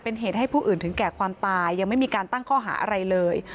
เป็นเหตุให้ผู้อื่นถึงแก่ความตายยังไม่มีการตั้งข้อหาอะไรเลย